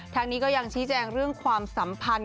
ทางนี้ก็ยังชี้แจงเรื่องความสัมพันธ์